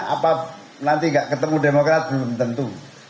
apa nanti gak ketemu demokrat belum tentu